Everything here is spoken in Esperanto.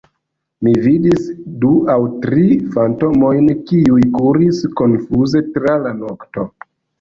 Mi vidis du aŭ tri fantomojn, kiuj kuris konfuze tra la nokto.